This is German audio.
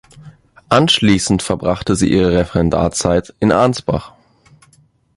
Anschließend verbrachte sie ihre Referendarzeit in Ansbach.